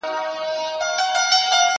زه زده کړه کړي دي!؟